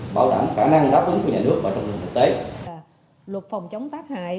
bảo đảm khả năng đáp ứng của nhà nước và trong lĩnh vực thực tế